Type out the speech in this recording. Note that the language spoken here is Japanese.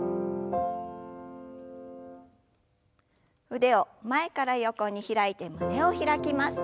腕を前から横に開いて胸を開きます。